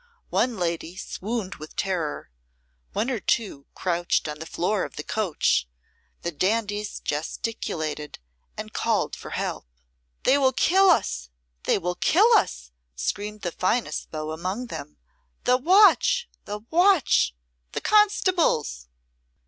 One lady swooned with terror, one or two crouched on the floor of the coach; the dandies gesticulated and called for help. "They will kill us! they will kill us!" screamed the finest beau among them. "The watch! the watch! The constables!"